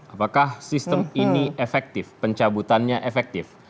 apakah sistem ini efektif pencabutannya efektif